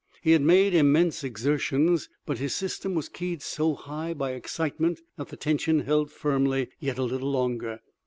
He had made immense exertions, but his system was keyed so high by excitement that the tension held firmly yet a little longer.